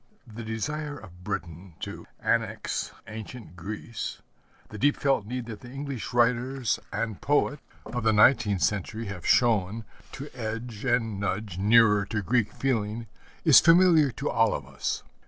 The desire of Britain to annex ancient Greece, the deep felt need that the English writers and poets of the nineteenth century have shown to edge and nudge nearer to Greek feeling, is familiar to all of us.